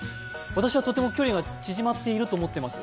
私はとても距離が縮まっていると思っています。